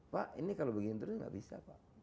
pak ini kalau begini terus tidak bisa